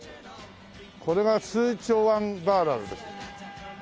これがスーチョワンバーラルです。